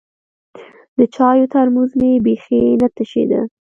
د چايو ترموز مې بيخي نه تشېده.